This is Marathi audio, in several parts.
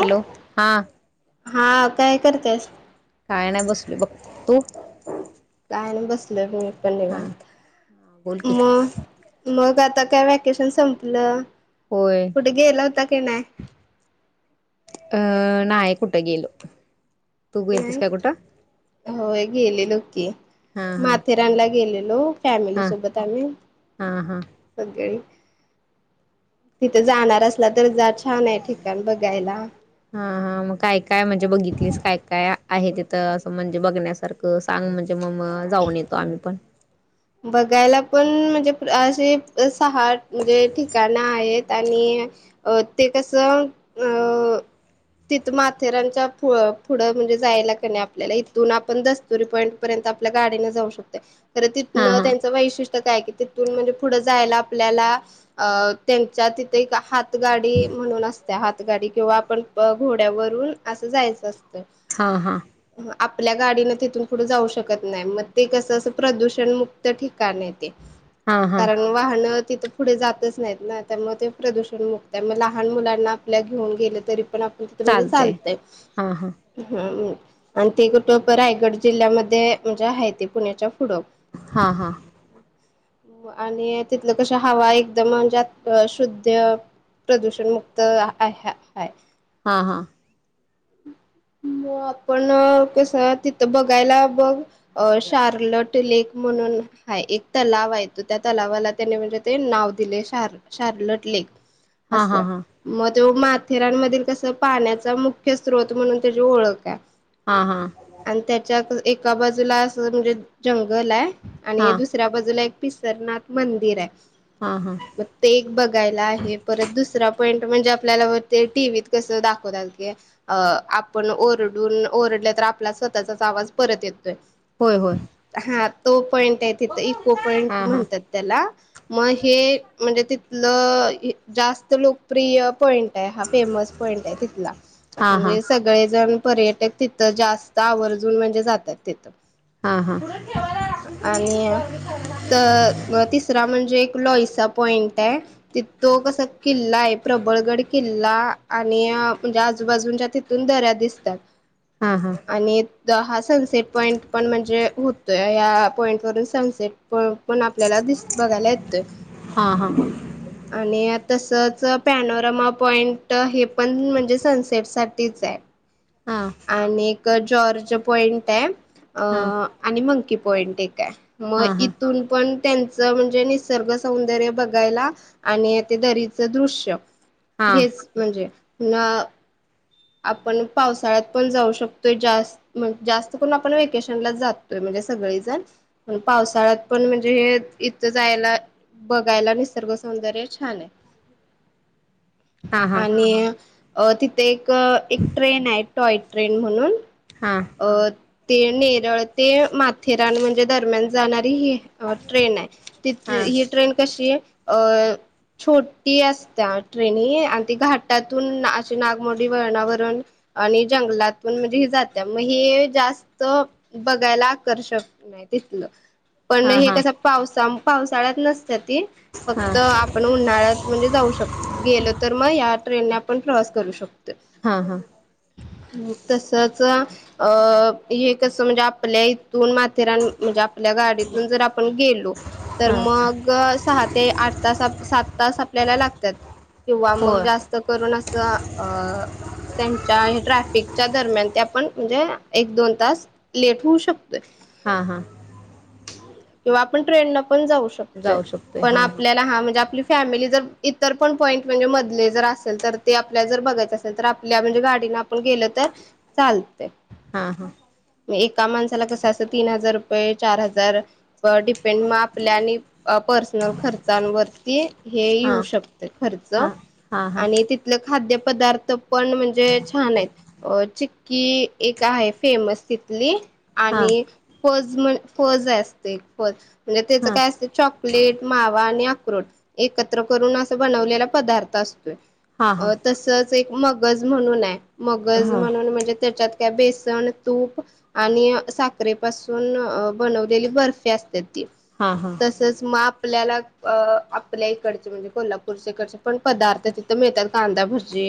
हॅलो हा. हा काय करत्यास? काय नाइ बसलोय बघ. तू? काय नाइ बसले बग मी पण हा निवांत. बोल की मग मग आता काय वॅकेशन संपलं. होय कुठे गेला होता काय नाय? अं नाय कुठं गेलो, तू गेलतीस नाही काय कुठं? होय गेलेलो की. हा हा माथेरानला गेलेलो फॅमिली हा सोबत आम्ही, हा हा सगळी. तिथे जाणार असला, तर जा छान आहे ठिकाण बघायला. हा हा. मग काय काय म्हणजे बघितलीस? काय काय आहे तिथं असं म्हणजे बघण्यासारखं सांग म्हणजे, म मग जाऊन येतो आम्ही पण. बघायला पण म्हणजे अशे अस सहा म्हणजे ठिकाणं आहेत आणि अ ते कसं अ तिथ माथेरानच्या पु अ पुढं म्हणजे जायला कणे आपल्याला इथून आपण दस्तुरी पॉईंट पर्यंत आपल्या गाडीन जाऊ शकतोय, परत हा तिथनं हा त्यांचं वैशिष्ट्य काय हाय कि ते म्हणजे पुढं जायला आपल्याला अ तेंच्या तिथे एक हात त गाडी म्हणून असत्या, हातगाडी किंवा आपण अ घोड्यावरून असं जायचं असतंय. हा हा अ आप पल्या गाडीनं तिथून पुढं जाऊ शकत नाही, म ते कसं असं प्रदूषण मुक्त ठिकाणये ते. हा हा कारण वाहनं तिथं पुढे जातच नाहीत ना, त्यामुळे ते प्रदूषण मुक्त म लहान मुलांना आपल्या घेऊन गेलं तरी पण आपण तिथ म्हणजे चालतंय चालतय, हा हा हम्म. आणि ते कुट क रायगड जिल्ह्यामध्ये म्हणजे हाय ते पुण्याच्या फुड. हा हा. आणि तिथलं कशी हवा एकदम म्हणजे अ शुद्ध प्रदूषण मुक्त आय हाय हाय. हा हा. म आपण कस तिथं बघायला बघ अ शार्लट ते लेक म्हणून हाय, एक तलावाय तो त्या तलावाला त्याने म्हणजे ते नाव दिलय शार शार लटलेक हा हा असं हा म त्यो माथेरानमधील कसं पाण्याचा मुख्य स्रोत म्हणून तेजी ओळक हाय हा हा आणि त्याच्याक एका बाजूला असं म्हणजे जंगल हाय हा आणि दुसऱ्या बाजूला एक पिसरनाथ मंदिराय हा हा म ते एक बघायला आहे, परत दुसरा [unintelligible] म्हणजे आपल्याला व ते कस दाखवतात की अ आप पण ओरडून ओरडल तर आपला स्वतःचाच आवाज परत येतोय, होय होय हा. तो पॉईंट आहे तिथं इको पॉईंट हा हा म्हणत्यात त्याला म हे म्हणजे तिथलं हे जास्त लोकप्रिय पॉईंट हाय हा फेमस पॉईंट हाय तिथला, हा हा हा म्हणजे ळेजण पर्यटक तिथं जास्त आवर्जून म्हणजे जातात तिथं. हा आणि तर लोईसा पॉइंट आहे तिथं तो कसा किल्ला आहे. प्रबळगड किल्ला आणि हा म्हणजे आजूबाजूच्या‌ ती तुन दऱ्या दिसतात हा हा आणि हा सनसेट पॉइंट पण म्हणजे होतोय. या पॉइंटवररून सनसेट प पण आपल्याला दिस बघायला येतोय हा आणि तसं पॅनोरमा पॉइंट हे पण म्हणजे सनसेटसाठीच आहे. हा आणि एक जॉर्ज पॉइंट आहे हा अ आणि मंकी पॉइंट एक आहे. मग हा हा इथून पण त्यांचं म्हणजे निसर्ग सौंदर्य बघायला आणि ते दरीचं दृश्य हा हेच म्हणजे पुन्हा आपण पावसाळ्यात पण जाऊ शकतोय जास्त जास्त करून आपण वेकेशनला जातोय. [unintelligible] सगळीजण पावसाळ्यात पण म्हणजे हे इथं जायला बघायला निसर्ग सौंदर्य छान आहे. हा आणि अ तिथे एक, एक ट्रेन आहे टॉय ट्रेन म्हणून हा हा अ ते नेरळ ते माथेरान म्हणजे दरम्यान जाणार ही ट्रेन आहे. ती हा ही ट्रेन कशी आहे अ छोटी असत्या ट्रेन हि आणि ती घाटातून अशी नागमोडी वळणावरून आणि जंगलातून म्हणजे हि जात त्यामुळे हे जास्त बघायला आकर्षक हाय तिथलं. हा पण हे हा कसं पावसा पावसाळ्यात नसत त्या ती फक्त आपण उन्हाळ्यात म्हणजे जाऊ शक गेलो तर मग ह्या ट्रेन पण प्रवास करू शकतो. हा, हा. तसच अ हे कसं म्हणजे आपल्या इ दोन माथेरान म्हणजे आपल्या गाडीतून जर आपण गेलो, तर हा मग सहा ते आठ आठ त सात तास आपल्याला लागत्यात. किंवा मग होय जास्त करून अस अ त्यांच्या हे ट्रॅफ पिकच्या दरम्यान ते आपण म्हणजे एक दोन तास लेट होऊ शकतोय. हा, हा. किंवा आपण ट्रेनन पण जाऊ शकतोय, जाऊ शकतोय पण हा आपल्याला हा म्हणजे आपली फॅमिली जर इतर पण पॉईंट म्हणजे मधले जर असेल तर ते आपल्याला जर बघायचं असेल, तर आपल्या म्हणजे गाडी नं आपण गेलं तर चालतंय. हा, हा. मग एका माणसाला कसं असं तीन हजार रुपये, चार हजार डिपेंड मग आपल्या आणि पर्सनल खर्चांवरती हे येऊ हा शकते खर्च. हा हा हा हा आणि तिथंल खाद्य पदार्थ पण म्हणजे छान आहेत. अं चि क्की एक आहे फेमस तिथली हा आणि फज म्हण फज असते फज म्हणजे त्याच हा हा हा काय असतंय चॉकलेट, मावा आणि अक्रोड एकत्र करून असं बनवलेला पदार्थ असतोय. हा अ तसंच मगज म्हणून आहे. मगज म्हणून म्हणजे त्यात काय बेसन, तूप आणि साखरेपासून अ बनवलेली बर्फी असतेत. हा तसंच माप आपल्याला अ आपल्या इकडचे म्हणजे कोल्हापूरच्या इकडचे पण पदार्थ तिथं मिळतात. कांदा भजी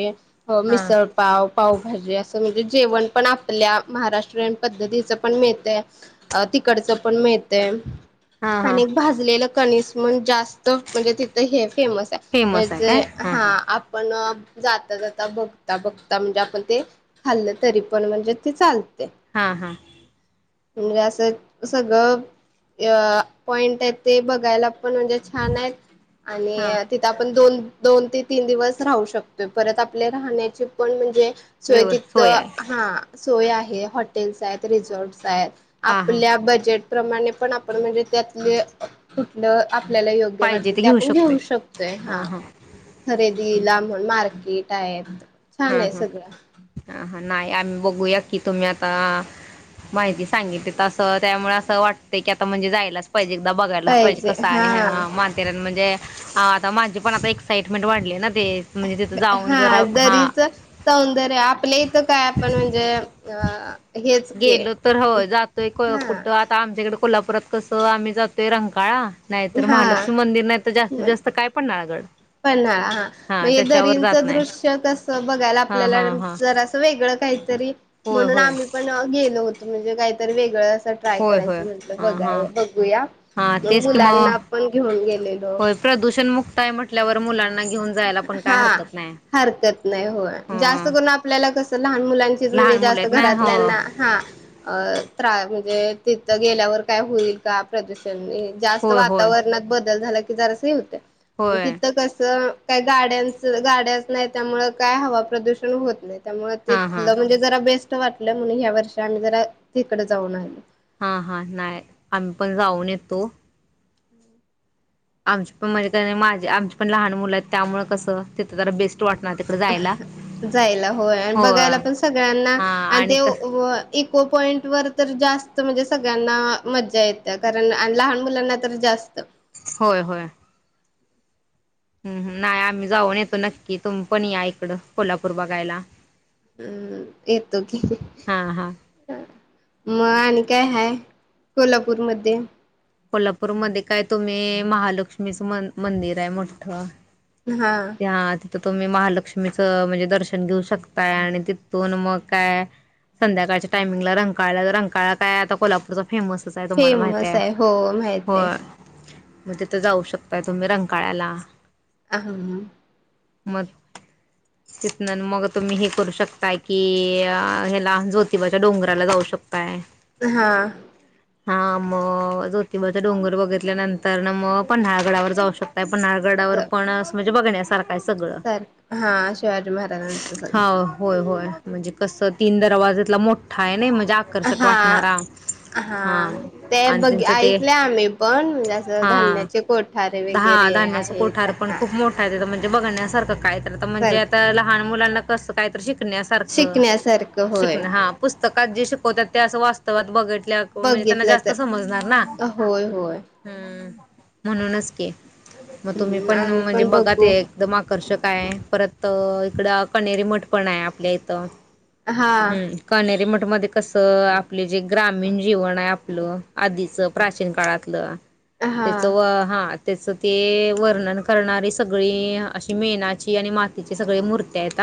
हा मिसळ पाव, पावभाजी असं म्हणजे जेवण पण आपल्या महाराष्ट्र ट्रिन पद्धतीच पण मिळतंय, अ तिकडच पण मिळतंय. हा हा आणि भाजलेलं कणीस म्हण जास्त म्हणजे तिथं हे फेमस आहे. फेमस आहे म्हणजे काय हा आपण जाता, जाता बघता बघता म्हणजे आपण ते खाल्लं तरी पण म्हणजे ते चालतंय. हा, हा. म्हणजे असं सगळं अ पॉइंट आहे ते बघायला पण म्हणजे छान आहेत हा आणि तिथं आपण दोन दोन ते तीन दिवस राहू शकतोय. परत आपले राहण्याचे पण म्हणजे व्यवस सोय तिथं आहे हा सोय आहे. हॉटेल्स आहेत, रिसॉर्टस आहेत हा हा आपल्या बजेट प्रमाणे पण आपण म्हणजे त्यातले कुठलं आपल्याला योग्य वाटत ते आपण घेऊ शकतोय हा खरेदी दिला म्हण मार्केट आहेत हा छान आहे हा सगळं. हा हा नाही आम्ही बघूया की तुम्ही आता माहिती सांगितली तसं त्यामुळे असं वाटत की आता म्हणजे जायलाच पाहिजेल बघायलाच पाहिजे कसं आहे हा, माथेरान म्हणजे आता माझी पण आता एक्साइटमेंट वाढली ना ते म्हणजे तिथं जाऊन जरा हा च सौंदर्य आपल्या इथं काय आपण म्हणजे अह गेलो तर हो जातोय हा कुठं आता आमच्याकडे कोल्हापुरात कसं आम्ही जातोय रंकाळा नाहीतर हा महालक्ष्मी मंदिर नाही तर जास्तीत जास्त काय पन्हाळगड पन्हाळा हा म्हणजे त्याच्यावर जात दरींचं नाही दृश्य कस बघायला हा आपल्याला हा हा जरासं वेगळं काही तरी होय म्हणून होय आम्ही पण गेलो होतो म्हणजे काहीतरी वेगळं असं ट्राय होय होय करायचं म्हणल हा हा बघाया बघूया हा मग तेच कि म, मुलांना आपण घेऊन गेलेलो होय प्रदूषण मुक्त आहे म्हटल्यावर मुलांना घेऊन जायला पण काय हा, हरकत नाही हरकत नाही हो जास्त हा करून आपल्याला कस लहान मुलांचीच म्हणजे लहान मुलं जास्त आहेत ना हो घरातल्यांना हा अ त्रा म्हणजे तिथं गेल्यावर काय होईल का प्रदूषण जास्त होय होय वातावरणात बदल झाला की जरास हे होतंय, होय तिथं कसं काही गाड्यांच गाड्याच नाही त्यामुळे काय हवा प्रदूषण होत नाही त्यामुळे हां हां तिथलं म्हणजे जरा बेस्ट वाटलं म्हणून ह्या वर्षी आम्ही जरा तिकडे जाऊन आलो हा हा नाही आम्ही पण जाऊन येतो आमची पण म्हणजे माझे आमची पण लहान मुलं आहेत त्यामुळे कसं तिथं जरा बेस्ट वाटणार तिकडे जायला जायला होय अन बघायला पण सगळ्यांना हा आणि क ते इको पॉईंट वर तर जास्त म्हणजे सगळ्यांना मजा येते कारण आणि लहान मुलांना तर जास्त होय होय. हम्म हम्म नाही आम्ही जाऊन येतो नक्की. तुमी पण या इकडं कोल्हापूर बघायला हम्म येतो की हा हा मग आणि काय हाय कोल्हापूरमध्ये? कोल्हापूरमध्ये काय तुम्ही महालक्ष्मीचं मंदिर आहे मोठ हा. तर तुम्ही महालक्ष्मीचं म्हणजे दर्शन घेऊ शकताय आणि तिथून मग काय संध्याकाळच्या टायमिंगला रंंकाळा, रंकाळा काय आता कोल्हापूरचा फेमसच आहे तुम्हाला माहित फेमस आहे. हो माहित आहे होय. म तिथे जाऊ शकताय तुम्ही रंकाळ्याला अह हम्म हम्म. मग तिथन मग तुम्ही हे करू शकताय की ह्याला ज्योतिबाच्या डोंगराला जाऊ श शकताय हा. हा मग ज्योतिबाचा डोंगर बघितल्यानंतर मग पन्हाळा गडावर जाऊ शकताय पन्हाळा गडावर पण म्हणजे असं बघण्या सारखं हाय सगळं सारख हा शिवाजी महाराजांचं हा सगळं होय होय म्हणजे कस तीन दरवाजेतला मोठा आहे ना म्हणजे आकर्षक हा वाटणारा हा ते आणि बघ त्यांचं ते ऐकले आम्ही पण म्हणजे असं धान्याचे कोठारे वगैरे धान्याच आहेत कोठार पण हा खूप मोठा म्हणजे बघण्यासारखं काय तर म्हणजे सारखं आता लहान मुलांना कसं काय शिका शिकण्यासारख शिकण्यासारखं शिक होय हा पुस्तकात जे शिकवतात ते अस वास्तवात बघ म्हणजे त्यांना बघितलं जास्त तर समजणार ना होय होय म्हणूनच कि मग तुम्ही हम्म पण आम्ही म्हणजे बघ बघा ते बघू एकदम आकर्षक आहे परत इकडं कनेरी मठ पण आपल्या इथं हा कणेरी मठ मध्ये कसं आपले जे ग्रामीण जीवन आहे आपलं आधीच प्राचीन काळातलं हा त्याच हा त्याच ते वर्णन करणारी सगळी अशी मेणाची आणि मातीची सगळी मुर्त्यात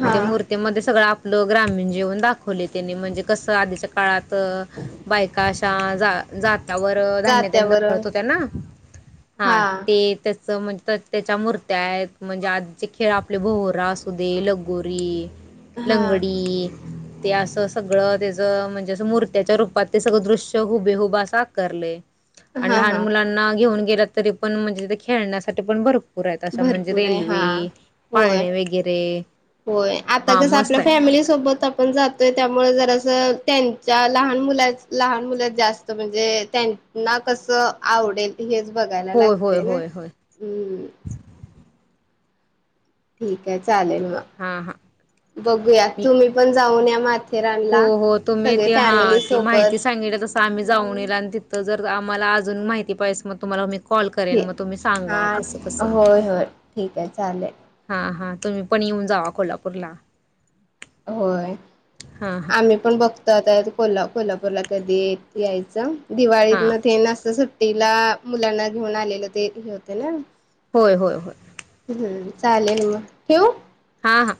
हा म्हणजे मूर्तीमध्ये सगळं आपलं ग्रामीण जीवन दाखवले त्यांनी म्हणजे कसं आधीच्या काळात बायका अशा जात जात्यावर धान्य तेन जात्यावर दळत हो त्या ना हा ते त्याच म्हणजे त्याच्या मूर्त्या आहेत म्हणजे आजचे खेळ आपले भोरा असू दे लगोरी हा लंगडी ते असं सगळं त्याच म्हणजे असं मूर्त्याच्या रूपात ते सगळं दृश्य हुबेहुब असं आकारले. आणि हा लहान हा मुलांना घेऊन गेला तरी पण म्हणजे तथ खेळण्यासाठी पण भरपूर भरपूर आहे असं म्हणजे भरपूर आहे हा रेल्वे होय पाळणे वगैरे होय आता हां, कसं आपल्या मस्त आहे. फॅमिली सोबत आपण जातोय त्यामुळे जरा त्यांच्या लहान मुल लहान मुल जास्त म्हणजे त्यांना कसं आवडेल हेच बघायला होय, होय, लागते ना होय, होय. ठीक आहे चालेल हां, हां. मग बघूया मी तुम्ही पण जाऊन या माझ्या हो हो तुम्ही ती हा ती माहिती सोबत सांगितली तसं आम्ही जाऊन येईल आणि तिथं जर आम्हाला अजुन माहिती पाहिेजे मग तुम्हाला मी फोन कॉल करेन ठीक मग तुम्ही सांगा हा कसं कसं होय होय ठीक आहे चालेल हा हा तुम्ही पण येऊन जावा कोल्हापूरला होय हां हां आम्ही पण बघतो आता कोल्हा कोल्हापूरला कधी यायचं हां दिवाळीतन ते असं सुट्टी सुट्टीला मुलांना घेऊन आलेलं ते होते ना होय होय हम्म चालेल मग ठेवू? हा हा.